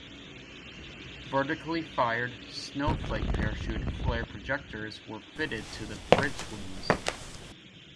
Vertically fired "snowflake" parachute flare projectors were fitted to the bridge wings.